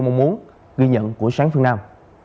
mong muốn ghi nhận của sáng phương nam